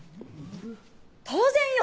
当然よ！